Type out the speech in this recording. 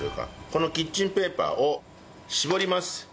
このキッチンペーパーを絞ります。